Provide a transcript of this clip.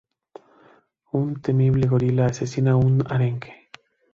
Un temible gorila asesina a un arenque.